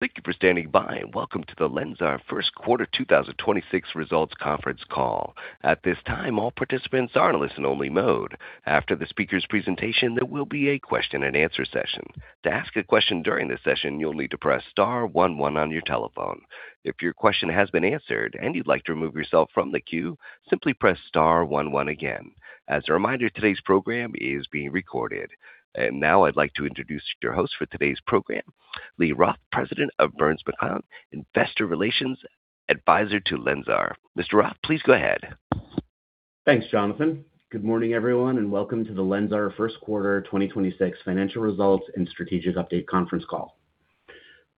Thank you for standing by and welcome to the LENSAR 1st quarter 2026 results conference call. At this time all participants are in a listen-only mode, after the speaker's presentation there will be a question and answer session. To ask a question during the session, you will need to press star one one on your telephone. If your question has been aswered and you'll like to remove yourself from the queue simply press star one one again. As a reminder this program is being recorded and now I'd like to introduce your host for today's program, Lee Roth, President of Burns McClellan, Investor Relations Advisor to LENSAR. Mr. Roth, please go ahead. Thanks, Jonathan. Good morning, everyone, welcome to the LENSAR 1st quarter 2026 financial results and strategic update conference call.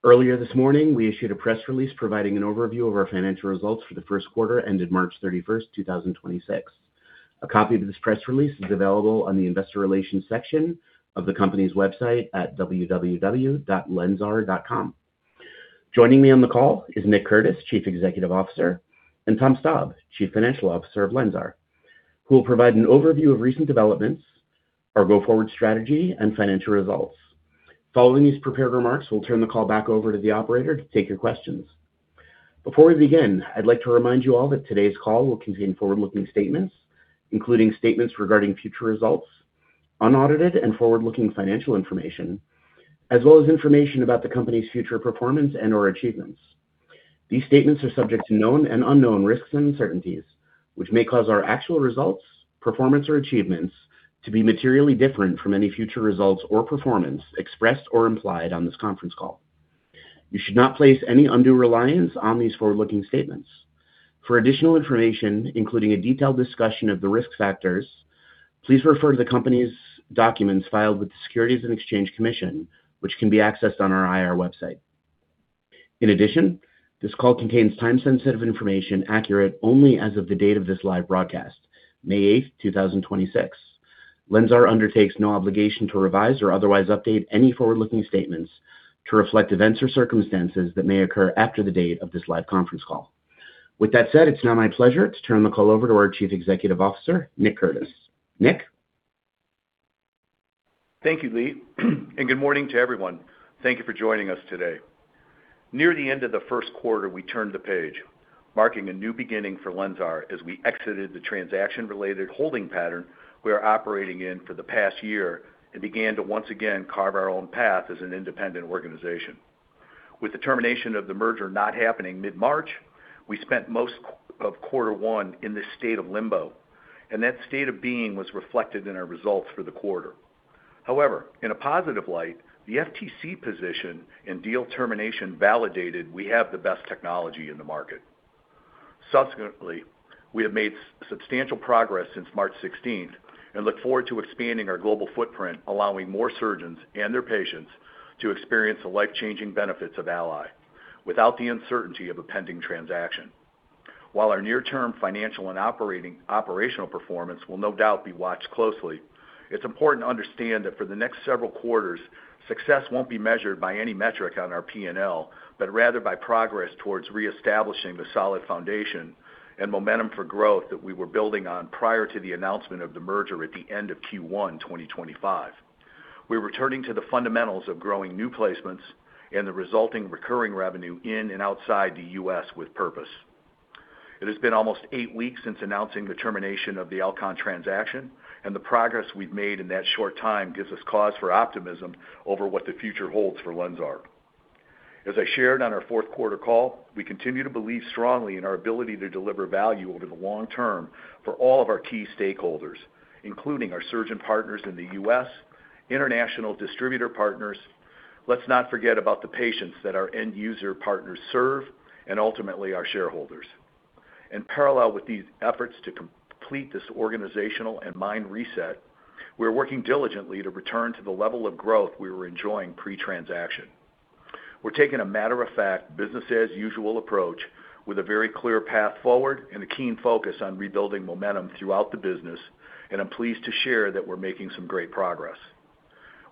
Earlier this morning, we issued a press release providing an overview of our financial results for the 1st quarter ended March 31st 2026. A copy of this press release is available on the investor relations section of the company's website at www.lensar.com. Joining me on the call is Nick Curtis, Chief Executive Officer, and Tom Staab, Chief Financial Officer of LENSAR, who will provide an overview of recent developments, our go-forward strategy and financial results. Following these prepared remarks, we'll turn the call back over to the operator to take your questions. Before we begin, I'd like to remind you all that today's call will contain forward-looking statements, including statements regarding future results, unaudited and forward-looking financial information, as well as information about the company's future performance and or achievements. These statements are subject to known and unknown risks and uncertainties, which may cause our actual results, performance, or achievements to be materially different from any future results or performance expressed or implied on this conference call. You should not place any undue reliance on these forward-looking statements. For additional information, including a detailed discussion of the risk factors, please refer to the company's documents filed with the Securities and Exchange Commission, which can be accessed on our IR website. In addition, this call contains time-sensitive information accurate only as of the date of this live broadcast, May 8th 2026. LENSAR undertakes no obligation to revise or otherwise update any forward-looking statements to reflect events or circumstances that may occur after the date of this live conference call. With that said, it's now my pleasure to turn the call over to our Chief Executive Officer, Nick Curtis. Nick. Thank you, Lee, and good morning to everyone. Thank you for joining us today. Near the end of the 1st quarter, we turned the page, marking a new beginning for LENSAR as we exited the transaction-related holding pattern we are operating in for the past year and began to once again carve our own path as an independent organization. With the termination of the merger not happening mid-March, we spent most of quarter one in this state of limbo, and that state of being was reflected in our results for the quarter. In a positive light, the FTC position and deal termination validated we have the best technology in the market. Subsequently, we have made substantial progress since March 16th and look forward to expanding our global footprint, allowing more surgeons and their patients to experience the life-changing benefits of ALLY without the uncertainty of a pending transaction. While our near-term financial and operational performance will no doubt be watched closely, it's important to understand that for the next several quarters, success won't be measured by any metric on our P&L, but rather by progress towards reestablishing the solid foundation and momentum for growth that we were building on prior to the announcement of the merger at the end of Q1 2025. We're returning to the fundamentals of growing new placements and the resulting recurring revenue in and outside the U.S. with purpose. It has been almost eight weeks since announcing the termination of the Alcon transaction, and the progress we've made in that short time gives us cause for optimism over what the future holds for LENSAR. As I shared on our fourth quarter call, we continue to believe strongly in our ability to deliver value over the long term for all of our key stakeholders, including our surgeon partners in the U.S., international distributor partners. Let's not forget about the patients that our end user partners serve and ultimately our shareholders. In parallel with these efforts to complete this organizational and mind reset, we are working diligently to return to the level of growth we were enjoying pre-transaction. We're taking a matter of fact, business as usual approach with a very clear path forward and a keen focus on rebuilding momentum throughout the business. I'm pleased to share that we're making some great progress.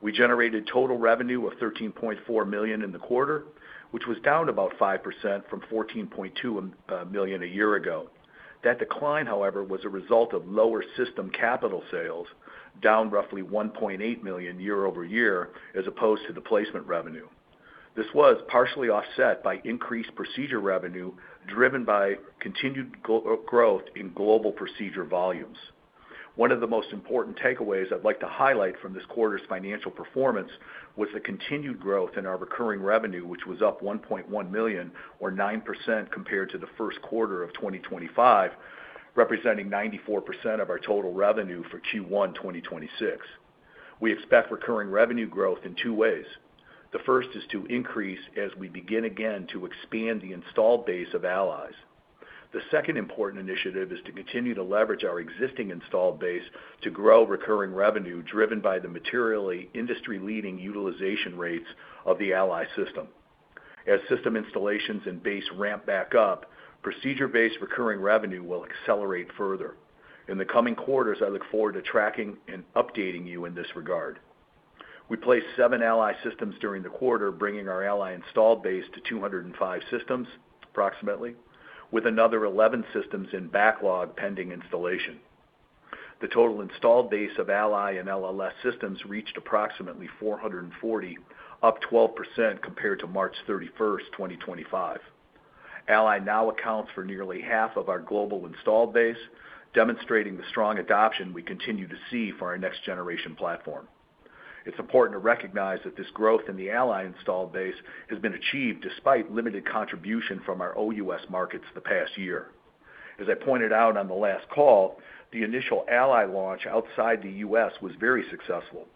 We generated total revenue of $13.4 million in the quarter, which was down about 5% from $14.2 million a year ago. That decline, however, was a result of lower system capital sales, down roughly $1.8 million year-over-year as opposed to the placement revenue. This was partially offset by increased procedure revenue driven by continued growth in global procedure volumes. One of the most important takeaways I'd like to highlight from this quarter's financial performance was the continued growth in our recurring revenue, which was up $1.1 million or 9% compared to the 1st quarter of 2025, representing 94% of our total revenue for Q1, 2026. We expect recurring revenue growth in two ways. The first is to increase as we begin again to expand the installed base of ALLYs. The second important initiative is to continue to leverage our existing installed base to grow recurring revenue driven by the materially industry-leading utilization rates of the ALLY System. As system installations and base ramp back up, procedure-based recurring revenue will accelerate further. In the coming quarters, I look forward to tracking and updating you in this regard. We placed seven ALLY systems during the quarter, bringing our ALLY installed base to 205 systems approximately, with another 11 systems in backlog pending installation. The total installed base of ALLY and LLS systems reached approximately 440, up 12% compared to March 31st 2025. ALLY now accounts for nearly half of our global installed base, demonstrating the strong adoption we continue to see for our next-generation platform. It's important to recognize that this growth in the ALLY installed base has been achieved despite limited contribution from our OUS markets the past year. As I pointed out on the last call, the initial ALLY launch outside the U.S. was very successful,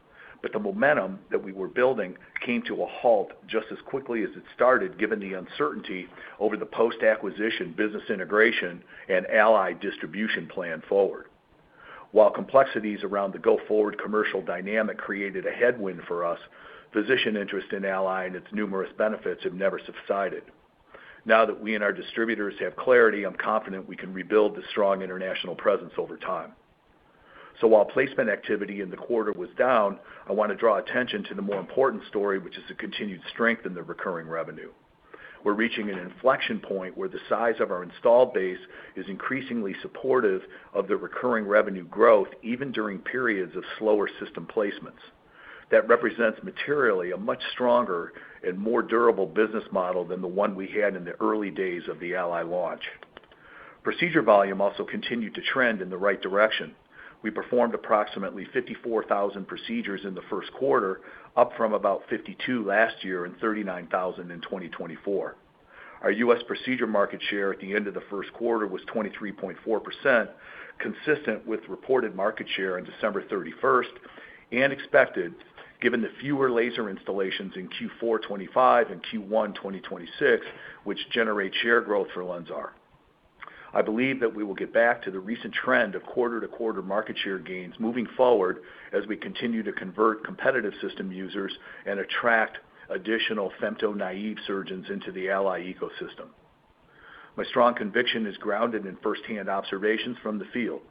but the momentum that we were building came to a halt just as quickly as it started, given the uncertainty over the post-acquisition business integration and ALLY distribution plan forward. While complexities around the go-forward commercial dynamic created a headwind for us, physician interest in ALLY and its numerous benefits have never subsided. Now that we and our distributors have clarity, I'm confident we can rebuild the strong international presence over time. While placement activity in the quarter was down, I want to draw attention to the more important story, which is the continued strength in the recurring revenue. We're reaching an inflection point where the size of our installed base is increasingly supportive of the recurring revenue growth, even during periods of slower system placements. That represents materially a much stronger and more durable business model than the one we had in the early days of the ALLY launch. Procedure volume also continued to trend in the right direction. We performed approximately 54,000 procedures in the 1st quarter, up from about 52 last year and 39,000 in 2024. Our U.S. procedure market share at the end of the first quarter was 23.4%, consistent with reported market share on December 31st and expected given the fewer laser installations in Q4 2025 and Q1 2026, which generate share growth for LENSAR. I believe that we will get back to the recent trend of quarter-to-quarter market share gains moving forward as we continue to convert competitive system users and attract additional femto-naive surgeons into the ALLY ecosystem. My strong conviction is grounded in first-hand observations from the field.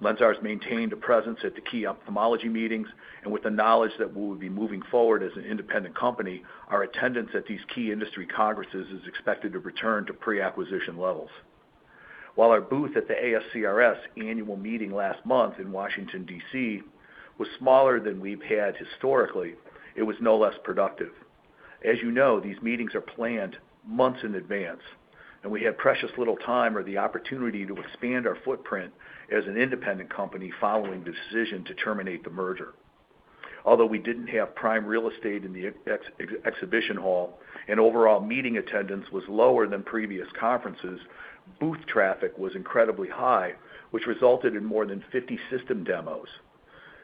LENSAR has maintained a presence at the key ophthalmology meetings, and with the knowledge that we will be moving forward as an independent company, our attendance at these key industry congresses is expected to return to pre-acquisition levels. While our booth at the ASCRS Annual Meeting last month in Washington, D.C. was smaller than we've had historically, it was no less productive. As you know, these meetings are planned months in advance, and we have precious little time or the opportunity to expand our footprint as an independent company following the decision to terminate the merger. Although we didn't have prime real estate in the exhibition hall, and overall meeting attendance was lower than previous conferences, booth traffic was incredibly high, which resulted in more than 50 system demos.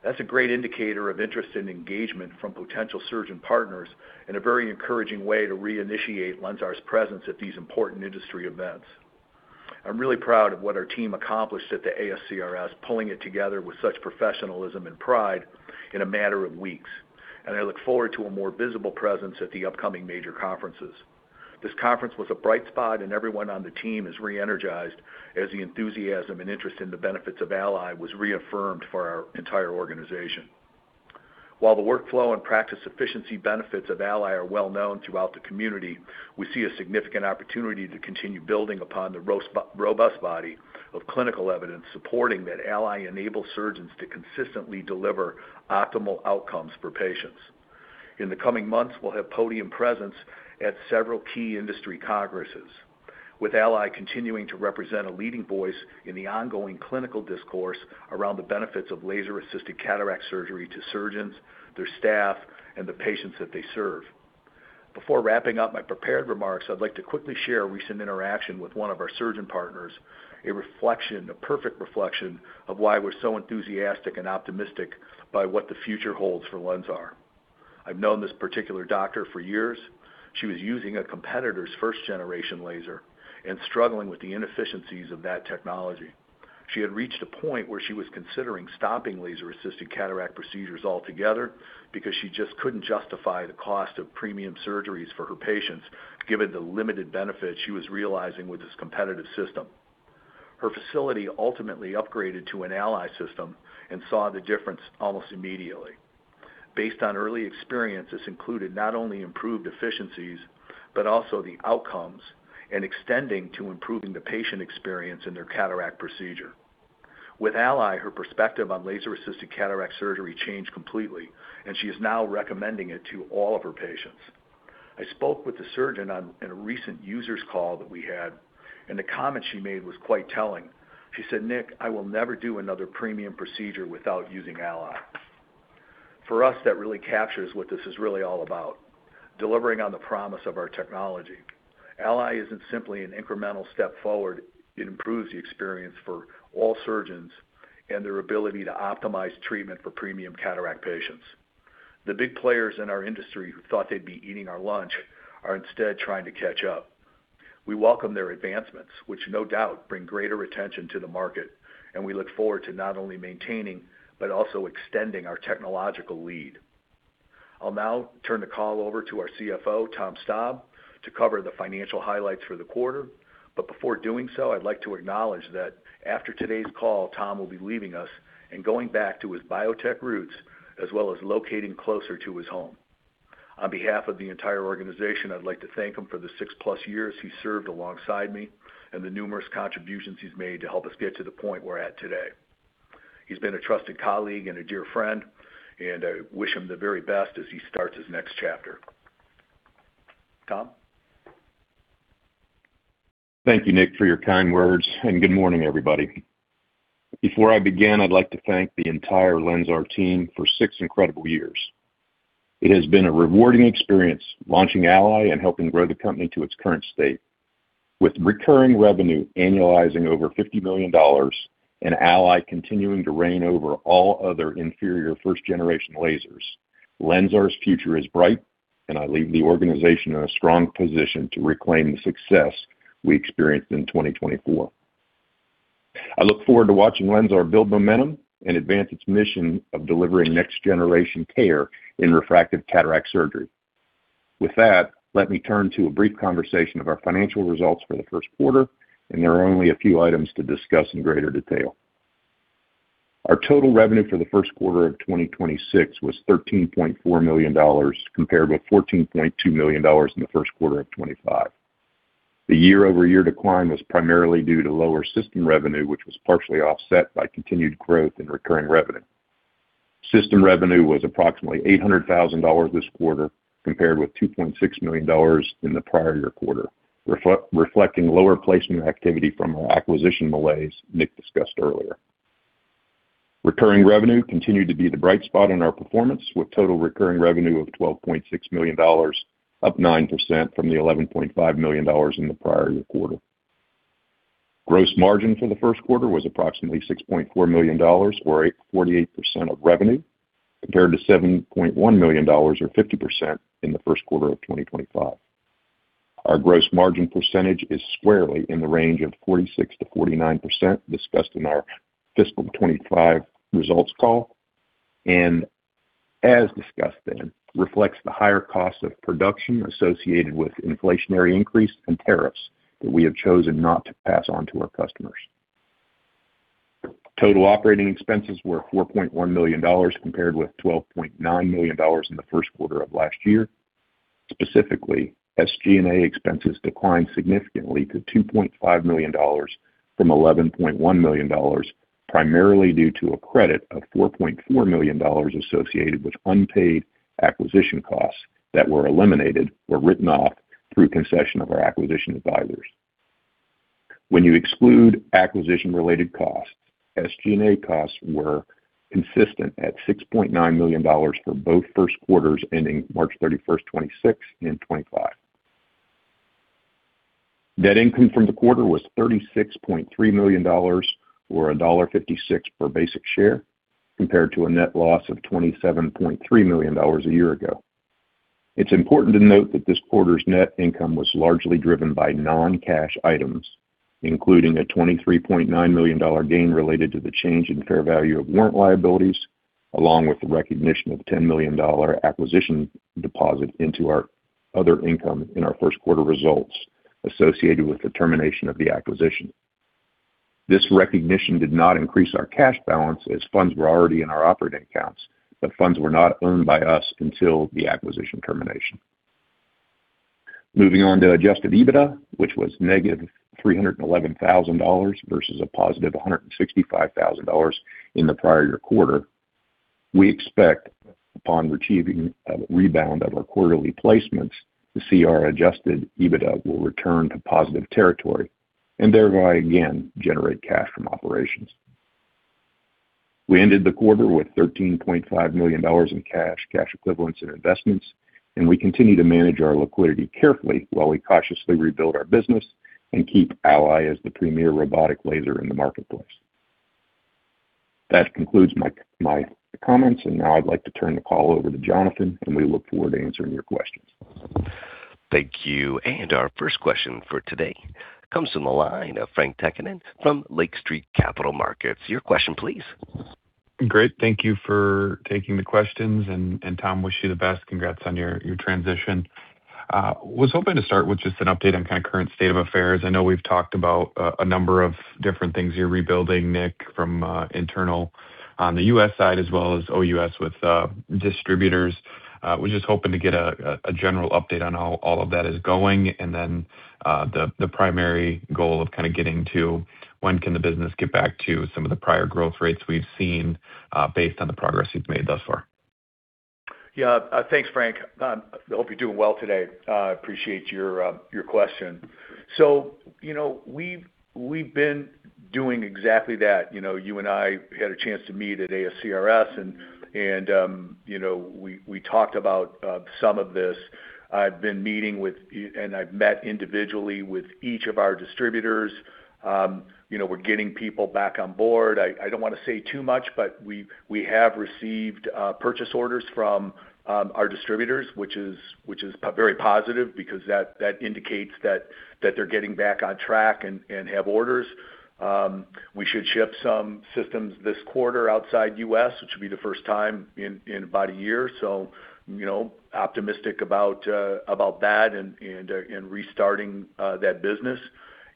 That's a great indicator of interest and engagement from potential surgeon partners and a very encouraging way to reinitiate LENSAR's presence at these important industry events. I'm really proud of what our team accomplished at the ASCRS, pulling it together with such professionalism and pride in a matter of weeks, and I look forward to a more visible presence at the upcoming major conferences. This conference was a bright spot, and everyone on the team is re-energized as the enthusiasm and interest in the benefits of ALLY was reaffirmed for our entire organization. While the workflow and practice efficiency benefits of ALLY are well-known throughout the community, we see a significant opportunity to continue building upon the robust body of clinical evidence supporting that ALLY enables surgeons to consistently deliver optimal outcomes for patients. In the coming months, we'll have podium presence at several key industry congresses, with ALLY continuing to represent a leading voice in the ongoing clinical discourse around the benefits of laser-assisted cataract surgery to surgeons, their staff, and the patients that they serve. Before wrapping up my prepared remarks, I'd like to quickly share a recent interaction with one of our surgeon partners, a reflection, a perfect reflection of why we're so enthusiastic and optimistic by what the future holds for LENSAR. I've known this particular doctor for years. She was using a competitor's first-generation laser and struggling with the inefficiencies of that technology. She had reached a point where she was considering stopping laser-assisted cataract procedures altogether because she just couldn't justify the cost of premium surgeries for her patients, given the limited benefits she was realizing with this competitive system. Her facility ultimately upgraded to an ALLY System and saw the difference almost immediately. Based on early experiences included not only improved efficiencies, but also the outcomes and extending to improving the patient experience in their cataract procedure. With ALLY, her perspective on laser-assisted cataract surgery changed completely, she is now recommending it to all of her patients. I spoke with the surgeon in a recent user's call that we had, the comment she made was quite telling. She said, "Nick, I will never do another premium procedure without using ALLY." For us, that really captures what this is really all about, delivering on the promise of our technology. ALLY isn't simply an incremental step forward. It improves the experience for all surgeons and their ability to optimize treatment for premium cataract patients. The big players in our industry who thought they'd be eating our lunch are instead trying to catch up. We welcome their advancements, which no doubt bring greater attention to the market, and we look forward to not only maintaining, but also extending our technological lead. I'll now turn the call over to our CFO, Tom Staab, to cover the financial highlights for the quarter. Before doing so, I'd like to acknowledge that after today's call, Tom will be leaving us and going back to his biotech roots, as well as locating closer to his home. On behalf of the entire organization, I'd like to thank him for the six-plus years he served alongside me and the numerous contributions he's made to help us get to the point we're at today. He's been a trusted colleague and a dear friend, and I wish him the very best as he starts his next chapter. Tom? Thank you, Nick, for your kind words, and good morning, everybody. Before I begin, I'd like to thank the entire LENSAR team for six incredible years. It has been a rewarding experience launching ALLY and helping grow the company to its current state. With recurring revenue annualizing over $50 million and ALLY continuing to reign over all other inferior first-generation lasers, LENSAR's future is bright, and I leave the organization in a strong position to reclaim the success we experienced in 2024. I look forward to watching LENSAR build momentum and advance its mission of delivering next-generation care in refractive cataract surgery. With that, let me turn to a brief conversation of our financial results for the first quarter, and there are only a few items to discuss in greater detail. Our total revenue for the 1st quarter of 2026 was $13.4 million compared with $14.2 million in the 1st quarter of 2025. The year-over-year decline was primarily due to lower system revenue, which was partially offset by continued growth in recurring revenue. System revenue was approximately $800,000 this quarter compared with $2.6 million in the prior year quarter, reflecting lower placement activity from our acquisition malaise Nick discussed earlier. Recurring revenue continued to be the bright spot in our performance, with total recurring revenue of $12.6 million, up 9% from the $11.5 million in the prior year quarter. Gross margin for the first quarter was approximately $6.4 million, or 48% of revenue, compared to $7.1 million, or 50% in the first quarter of 2025. Our gross margin percentage is squarely in the range of 46% to 49% discussed in our fiscal 2025 results call, and as discussed then, reflects the higher cost of production associated with inflationary increase and tariffs that we have chosen not to pass on to our customers. Total operating expenses were $4.1 million compared with $12.9 million in the first quarter of last year. Specifically, SG&A expenses declined significantly to $2.5 million from $11.1 million, primarily due to a credit of $4.4 million associated with unpaid acquisition costs that were eliminated or written off through concession of our acquisition advisors. When you exclude acquisition-related costs, SG&A costs were consistent at $6.9 million for both 1st quarters ending March 31st 2026 and 2025. Net income from the quarter was $36.3 million, or $1.56 per basic share, compared to a net loss of $27.3 million a year ago. It's important to note that this quarter's net income was largely driven by non-cash items, including a $23.9 million gain related to the change in fair value of warrant liabilities, along with the recognition of a $10 million acquisition deposit into our other income in our first quarter results associated with the termination of the acquisition. This recognition did not increase our cash balance, as funds were already in our operating accounts, but funds were not owned by us until the acquisition termination. Moving on to adjusted EBITDA, which was negative $311,000 versus a positive $165,000 in the prior year quarter. We expect, upon achieving a rebound of our quarterly placements, to see our adjusted EBITDA will return to positive territory and thereby again generate cash from operations. We ended the quarter with $13.5 million in cash equivalents, and investments. We continue to manage our liquidity carefully while we cautiously rebuild our business and keep ALLY as the premier robotic laser in the marketplace. That concludes my comments. Now I'd like to turn the call over to Jonathan. We look forward to answering your questions. Thank you. Our first question for today comes from the line of Frank Takkinen from Lake Street Capital Markets. Your question, please. Great. Thank you for taking the questions. Tom, wish you the best. Congrats on your transition. Was hoping to start with just an update on kind of current state of affairs. I know we've talked about a number of different things you're rebuilding, Nick, from internal on the U.S. side as well as OUS with distributors. Was just hoping to get a general update on how all of that is going and then the primary goal of kind of getting to when can the business get back to some of the prior growth rates we've seen, based on the progress you've made thus far. Yeah. Thanks, Frank. Hope you're doing well today. Appreciate your question. You know, we've been doing exactly that. You and I had a chance to meet at ASCRS, and you know, we talked about some of this. I've been meeting with, and I've met individually with each of our distributors. You know, we're getting people back on board. I don't wanna say too much, but we have received purchase orders from our distributors, which is very positive because that indicates that they're getting back on track and have orders. We should ship some systems this quarter outside U.S., which will be the first time in about a year. You know, optimistic about that and restarting that business.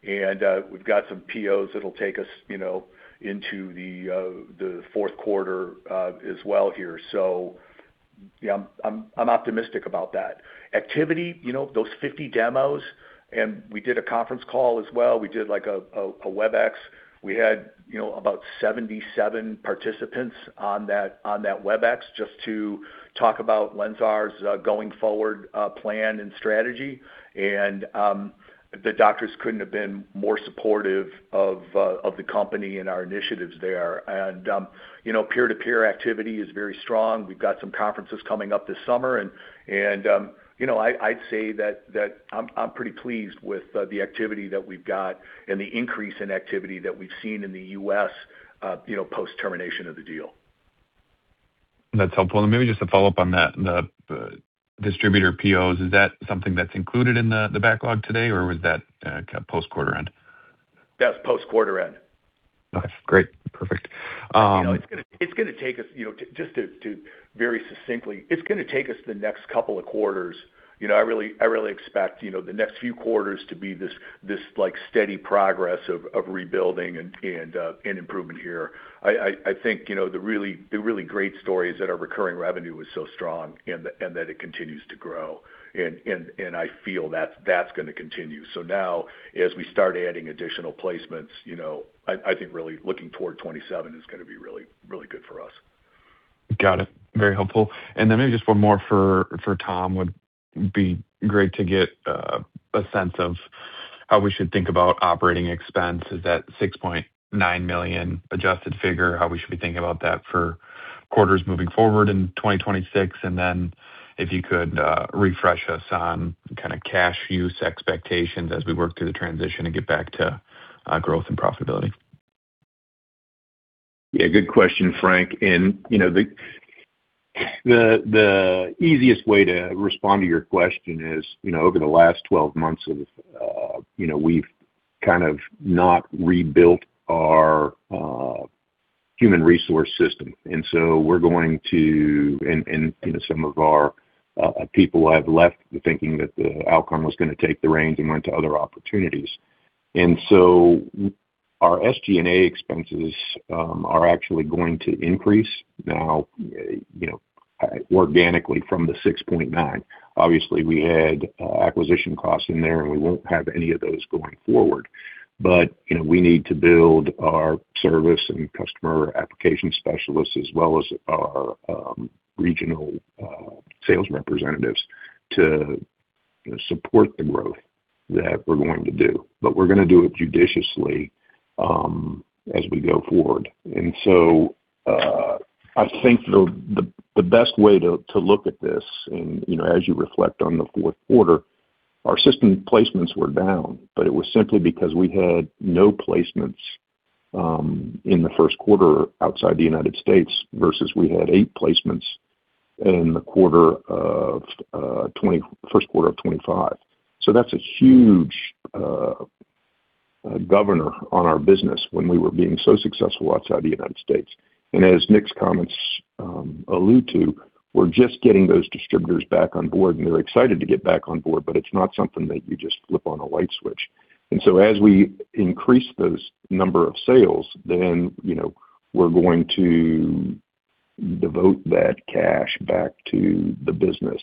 We've got some POs that'll take us, you know, into the fourth quarter as well here. Yeah, I'm optimistic about that. Activity, you know, those 50 demos, and we did a conference call as well. We did like a Webex. We had, you know, about 77 participants on that Webex just to talk about LENSAR's going forward plan and strategy. The doctors couldn't have been more supportive of the company and our initiatives there. You know, peer-to-peer activity is very strong. We've got some conferences coming up this summer and, you know, I'd say that I'm pretty pleased with the activity that we've got and the increase in activity that we've seen in the U.S., you know, post-termination of the deal. That's helpful. Maybe just to follow up on that, the distributor POs, is that something that's included in the backlog today, or was that post-quarter end? That's post-quarter end. Gotcha. Great. Perfect. You know, it's gonna take us, you know, to very succinctly, it's gonna take us the next couple of quarters. You know, I really expect, you know, the next few quarters to be this, like, steady progress of rebuilding and improvement here. I think, you know, the really great story is that our recurring revenue is so strong and that it continues to grow. I feel that that's gonna continue. Now as we start adding additional placements, you know, I think really looking toward 2027 is gonna be really, really good for us. Got it. Very helpful. Maybe just one more for Tom. Would be great to get a sense of how we should think about operating expenses at $6.9 million adjusted figure, how we should be thinking about that for quarters moving forward in 2026. If you could refresh us on kind of cash use expectations as we work through the transition and get back to growth and profitability. Yeah, good question, Frank. You know, the easiest way to respond to your question is, you know, over the last 12 months, you know, we've kind of not rebuilt our human resource system. You know, some of our people have left thinking that the outcome was going to take the reins and went to other opportunities. Our SG&A expenses are actually going to increase now, you know, organically from the 6.9. Obviously, we had acquisition costs in there, and we won't have any of those going forward. You know, we need to build our service and customer application specialists as well as our regional sales representatives to support the growth that we're going to do. We're going to do it judiciously as we go forward. I think the best way to look at this and, you know, as you reflect on the 4th quarter, our system placements were down, but it was simply because we had no placements in the first quarter outside the U.S. versus we had eight placements in the quarter of 1st quarter of 2025. That's a huge governor on our business when we were being so successful outside the U.S. As Nick's comments allude to, we're just getting those distributors back on board, and they're excited to get back on board, but it's not something that you just flip on a light switch. As we increase those number of sales, you know, we're going to devote that cash back to the business.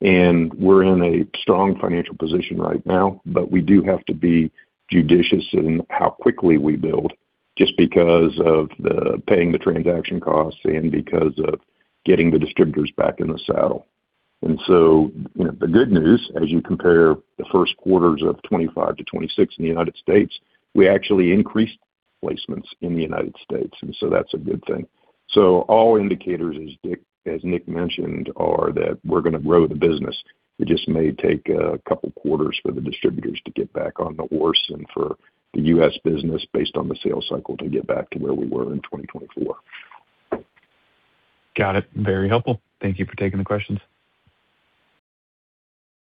We are in a strong financial position right now, but we do have to be judicious in how quickly we build just because of the paying the transaction costs and because of getting the distributors back in the saddle. You know, the good news, as you compare the first quarters of 2025 to 2026 in the U.S., we actually increased placements in the U.S., and so that's a good thing. All indicators, as Nick mentioned, are that we are going to grow the business. It just may take a couple quarters for the distributors to get back on the horse and for the U.S. business based on the sales cycle to get back to where we were in 2024. Got it. Very helpful. Thank you for taking the questions.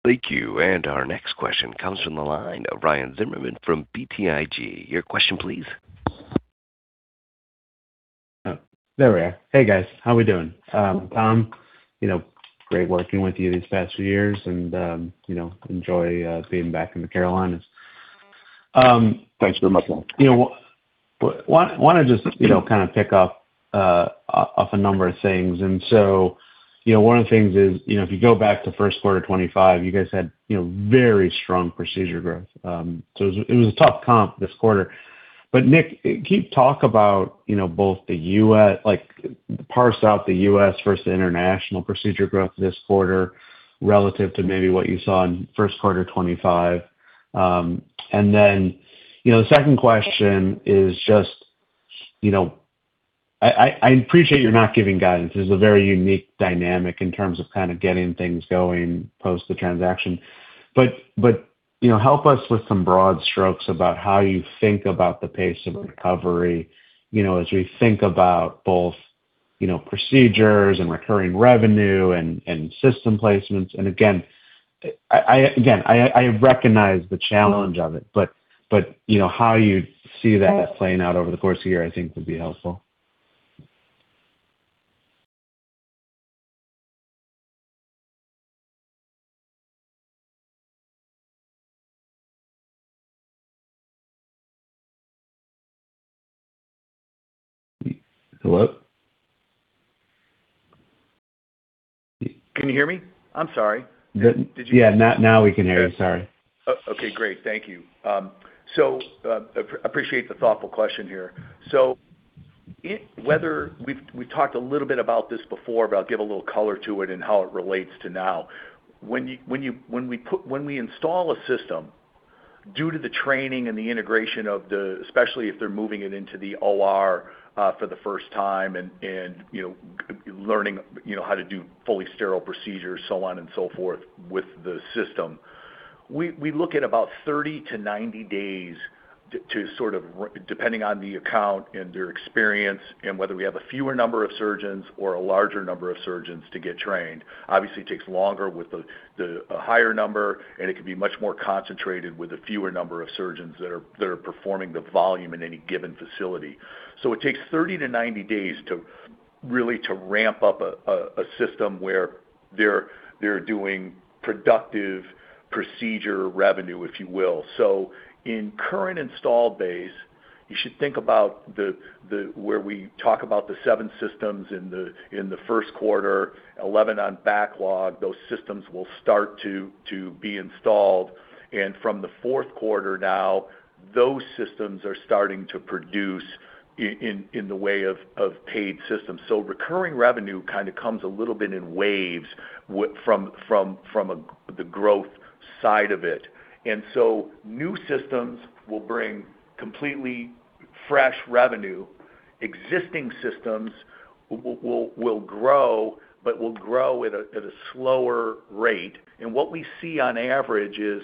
Thank you. Our next question comes from the line of Ryan Zimmerman from BTIG. Your question, please. Oh, there we are. Hey, guys. How we doing? Tom, you know, great working with you these past few years and, you know, enjoy, being back in the Carolinas. Thanks very much, Ryan. You know, want to just, you know, kind of pick up off a number of things. You know, one of the things is, you know, if you go back to 1st quarter 2025, you guys had, you know, very strong procedure growth. It was a tough comp this quarter. Nick, can you talk about, you know, both the U.S., like parsed out the U.S. versus international procedure growth this quarter relative to maybe what you saw in 1st quarter 2025. You know, the second question is just, you know, I appreciate you're not giving guidance. This is a very unique dynamic in terms of kind of getting things going post the transaction. You know, help us with some broad strokes about how you think about the pace of recovery, you know, as we think about both, you know, procedures and recurring revenue and system placements. again, I, again, I recognize the challenge of it, you know, how you see that playing out over the course of the year, I think would be helpful. Hello? Can you hear me? I'm sorry. Yeah. Now we can hear you. Sorry. Oh, okay. Great. Thank you. Appreciate the thoughtful question here. Whether we've talked a little bit about this before, but I'll give a little color to it and how it relates to now. When we install a system, due to the training and the integration of the especially if they're moving it into the OR for the first time and, you know, learning, you know, how to do fully sterile procedures, so on and so forth with the system. We look at about 30 to 90 days to sort of depending on the account and their experience, and whether we have a fewer number of surgeons or a larger number of surgeons to get trained. Obviously, it takes longer with a higher number, and it can be much more concentrated with a fewer number of surgeons that are performing the volume in any given facility. It takes 30 to 90 days to ramp up a system where they're doing productive procedure revenue, if you will. In current installed base, you should think about where we talk about the seven systems in the 1st quarter, 11 on backlog. Those systems will start to be installed. From the fourth quarter now, those systems are starting to produce in the way of paid systems. Recurring revenue kind of comes a little bit in waves from the growth side of it. New systems will bring completely fresh revenue. Existing systems will grow, but will grow at a slower rate. What we see on average is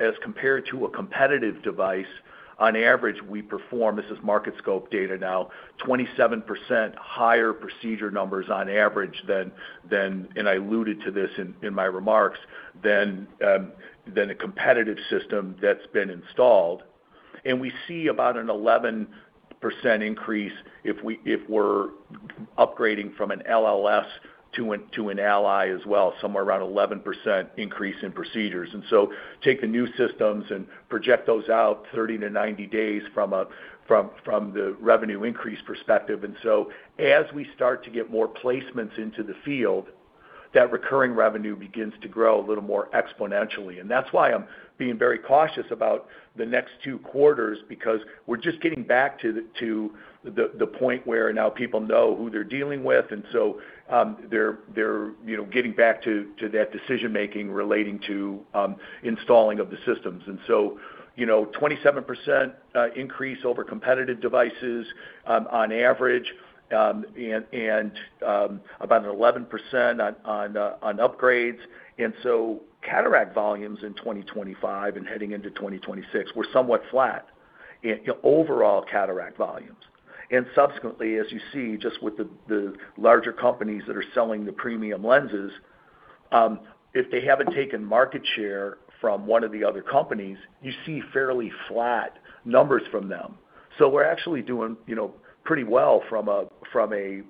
as compared to a competitive device, on average, we perform, this is Market Scope data now, 27% higher procedure numbers on average than, and I alluded to this in my remarks, than a competitive system that's been installed. We see about an 11% increase if we're upgrading from an LLS to an ALLY as well, somewhere around 11% increase in procedures. Take the new systems and project those out 30 to 90 days from the revenue increase perspective. As we start to get more placements into the field, that recurring revenue begins to grow a little more exponentially. That's why I'm being very cautious about the next two quarters, because we're just getting back to the point where now people know who they're dealing with. They're, you know, getting back to that decision-making relating to installing of the systems. You know, 27% increase over competitive devices, on average, and about an 11% on upgrades. Cataract volumes in 2025 and heading into 2026 were somewhat flat in overall cataract volumes. Subsequently, as you see, just with the larger companies that are selling the premium lenses, if they haven't taken market share from one of the other companies, you see fairly flat numbers from them. We're actually doing, you know, pretty well from a, from a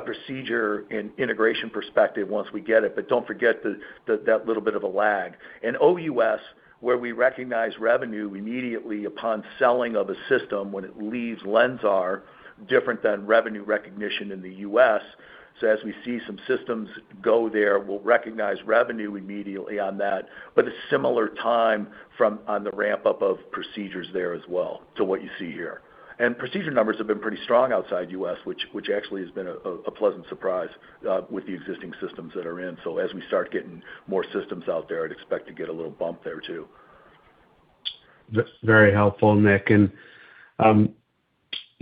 procedure and integration perspective once we get it. Don't forget that little bit of a lag. In OUS, where we recognize revenue immediately upon selling of a system when it leaves LENSAR, different than revenue recognition in the U.S. As we see some systems go there, we'll recognize revenue immediately on that, but a similar time on the ramp-up of procedures there as well to what you see here. Procedure numbers have been pretty strong outside U.S., which actually has been a pleasant surprise with the existing systems that are in. As we start getting more systems out there, I'd expect to get a little bump there too. That's very helpful, Nick. You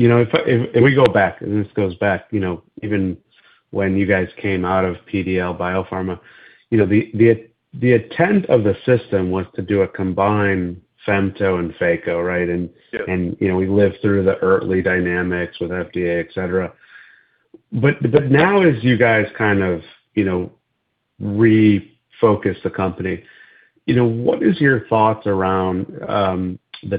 know, if we go back, and this goes back, you know, even when you guys came out of PDL BioPharma, you know, the, the intent of the system was to do a combined femto and phaco, right? Yeah. You know, we lived through the early dynamics with FDA, et cetera. But now as you guys kind of, you know, refocus the company, you know, what is your thoughts around the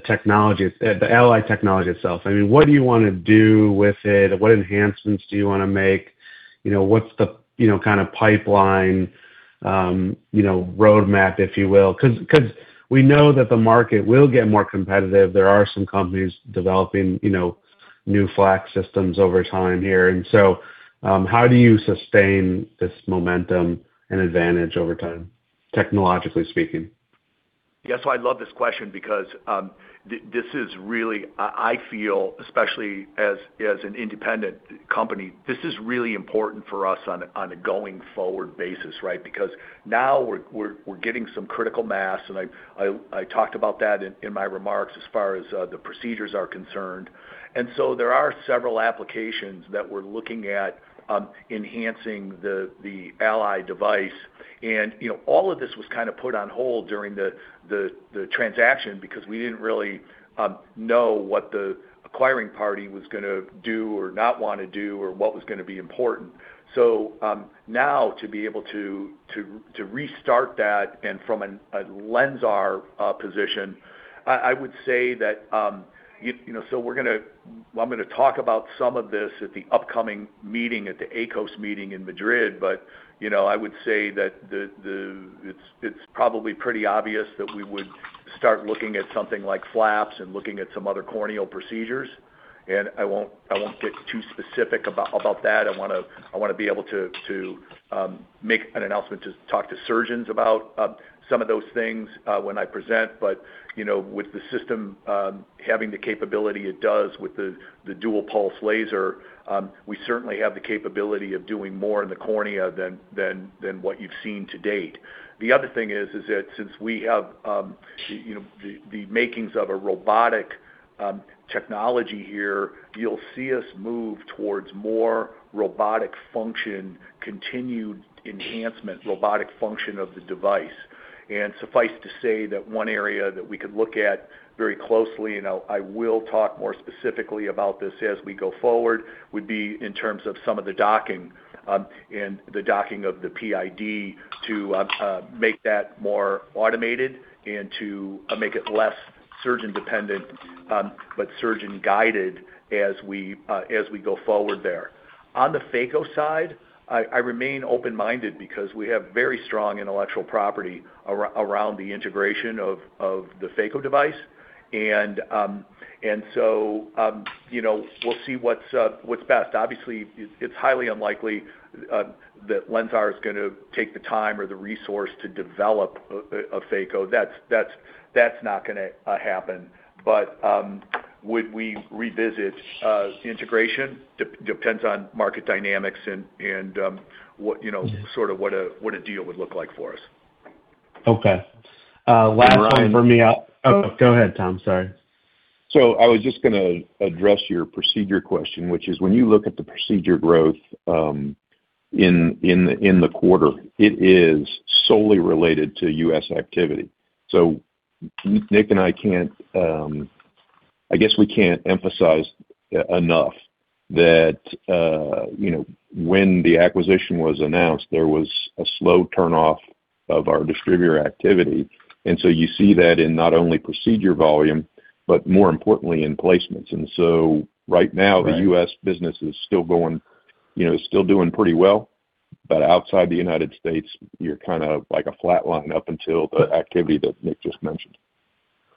ALLY technology itself? I mean, what do you wanna do with it? What enhancements do you wanna make? You know, what's the, you know, kind of pipeline, you know, roadmap, if you will? 'Cause we know that the market will get more competitive. There are some companies developing, you know, new FLACS systems over time here. How do you sustain this momentum and advantage over time, technologically speaking? Yes. I love this question because this is really, I feel, especially as an independent company, this is really important for us on a going forward basis, right? Because now we're getting some critical mass, and I talked about that in my remarks as far as the procedures are concerned. There are several applications that we're looking at, enhancing the ALLY device. You know, all of this was kind of put on hold during the transaction because we didn't really know what the acquiring party was gonna do or not wanna do or what was gonna be important. Now to be able to restart that and from a LENSAR position, I would say that, you know, I'm gonna talk about some of this at the upcoming meeting, at the AECOS meeting in Madrid. You know, I would say that the it's probably pretty obvious that we would start looking at something like flaps and looking at some other corneal procedures. I won't get too specific about that. I wanna be able to make an announcement to talk to surgeons about some of those things when I present. You know, with the system having the capability it does with the dual-pulse laser, we certainly have the capability of doing more in the cornea than what you've seen to date. The other thing is that since we have, you know, the makings of a robotic technology here, you'll see us move towards more robotic function, continued enhancement, robotic function of the device. Suffice to say that one area that we could look at very closely, I will talk more specifically about this as we go forward, would be in terms of some of the docking, and the docking of the PID to make that more automated and to make it less surgeon-dependent, but surgeon-guided as we go forward there. On the phaco side, I remain open-minded because we have very strong intellectual property around the integration of the phaco device. You know, we'll see what's best. Obviously, it's highly unlikely that LENSAR is gonna take the time or the resource to develop a phaco. That's not gonna happen. Would we revisit the integration? Depends on market dynamics and what, you know, sort of what a deal would look like for us. Okay. Last one for me. Ryan. Oh, go ahead, Tom. Sorry. I was just gonna address your procedure question, which is when you look at the procedure growth, in the quarter, it is solely related to U.S. activity. Nick and I can't I guess we can't emphasize enough that, you know, when the acquisition was announced, there was a slow turnoff of our distributor activity. You see that in not only procedure volume, but more importantly in placements. Right now- Right The U.S. business is still going, you know, still doing pretty well. Outside the United States, you're kind of like a flat line up until the activity that Nick just mentioned.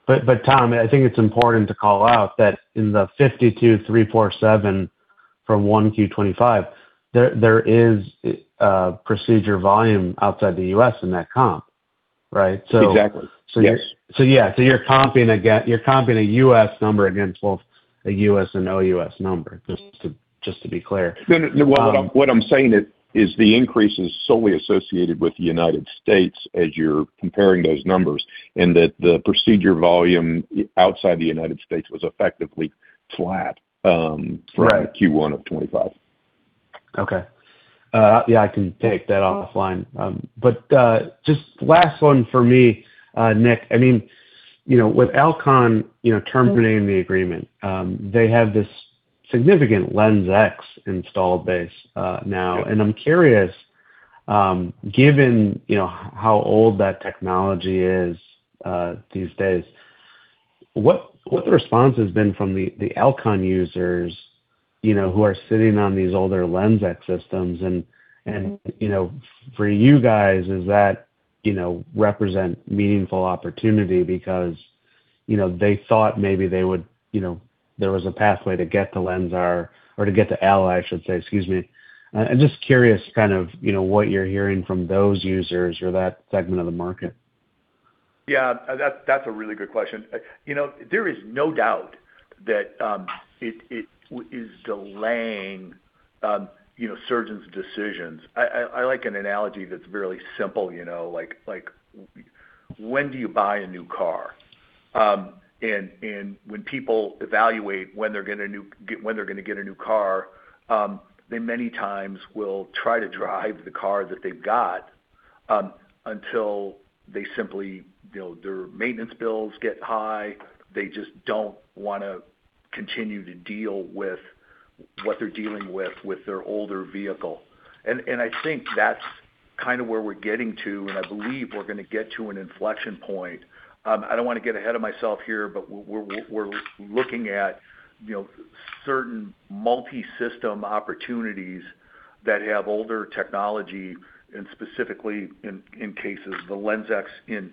Tom, I think it's important to call out that in the 52,347 from 1Q 2025, there is procedure volume outside the U.S. in that comp, right? Exactly. Yes. Yeah. You're comping a U.S. number against both a U.S. and OUS number, just to be clear. No, no, what I'm saying is the increase is solely associated with the United States as you're comparing those numbers, and that the procedure volume, outside the United States was effectively flat. Right from Q1 of 2025. Okay. Yeah, I can take that offline. Just last one for me, Nick. I mean, you know, with Alcon, you know, terminating the agreement, they have this significant LenSx installed base now. I'm curious, given, you know, how old that technology is these days, what the response has been from the Alcon users, you know, who are sitting on these older LenSx systems and, you know, for you guys, does that, you know, represent meaningful opportunity because, you know, they thought maybe they would, you know, there was a pathway to get to LENSAR or to get to ALLY, I should say. Excuse me. I'm just curious kind of, you know, what you're hearing from those users or that segment of the market. Yeah. That's a really good question. You know, there is no doubt that it is delaying, you know, surgeons' decisions. I like an analogy that's really simple, you know, like when do you buy a new car? When people evaluate when they're getting a new car, they many times will try to drive the car that they've got until they simply, you know, their maintenance bills get high. They just don't wanna continue to deal with what they're dealing with their older vehicle. I think that's kind of where we're getting to, I believe we're gonna get to an inflection point. I don't wanna get ahead of myself here, but we're looking at, you know, certain multi-system opportunities that have older technology and specifically in cases the LenSx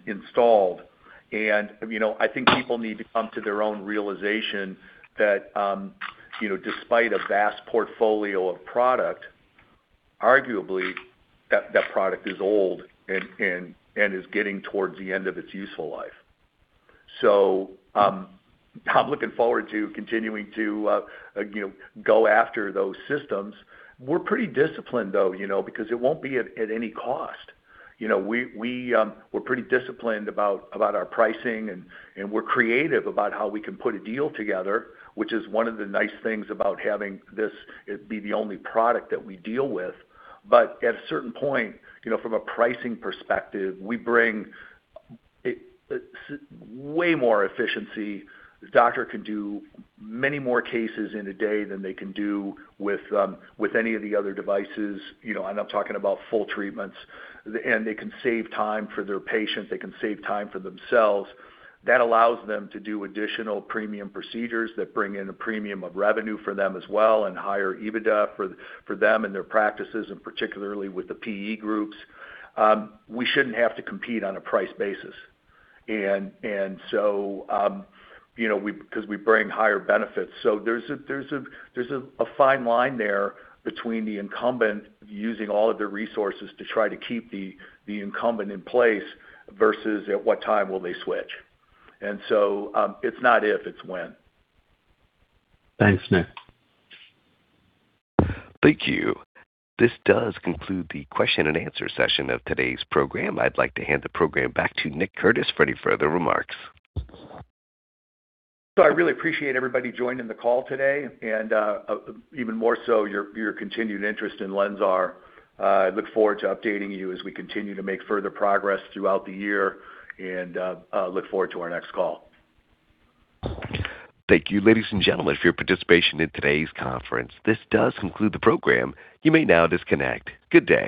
installed. You know, I think people need to come to their own realization that, you know, despite a vast portfolio of product, arguably that product is old and is getting towards the end of its useful life. I'm looking forward to continuing to, you know, go after those systems. We're pretty disciplined, though, you know, because it won't be at any cost. You know, we're pretty disciplined about our pricing and we're creative about how we can put a deal together, which is one of the nice things about having this it be the only product that we deal with. At a certain point, you know, from a pricing perspective, we bring way more efficiency. The doctor can do many more cases in a day than they can do with any of the other devices. You know, I'm talking about full treatments. They can save time for their patients. They can save time for themselves. That allows them to do additional premium procedures that bring in a premium of revenue for them as well and higher EBITDA for them and their practices, and particularly with the PE groups. We shouldn't have to compete on a price basis. You know, because we bring higher benefits. There's a fine line there between the incumbent using all of their resources to try to keep the incumbent in place versus at what time will they switch. It's not if, it's when. Thanks, Nick. Thank you. This does conclude the question and answer session of today's program. I'd like to hand the program back to Nick Curtis for any further remarks. I really appreciate everybody joining the call today, and even more so your continued interest in LENSAR. I look forward to updating you as we continue to make further progress throughout the year, and look forward to our next call. Thank you, ladies and gentlemen, for your participation in today's conference. This does conclude the program. You may now disconnect. Good day.